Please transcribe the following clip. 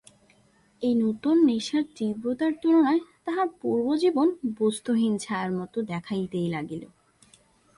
এই নূতন নেশার তীব্রতার তুলনায় তাহার পূর্বজীবন বস্তুহীন ছায়ার মতো দেখাইতে লাগিল।